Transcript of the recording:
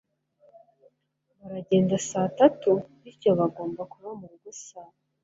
baragenda saa tanu, bityo bagomba kuba murugo saa